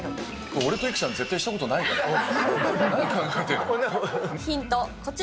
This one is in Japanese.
俺と育ちゃん、絶対したことないから。